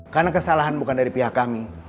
karena kesalahan bukan dari pihak kami